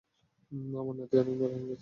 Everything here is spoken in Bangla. আমার নাতি অনেক বড় হয়ে গেছে!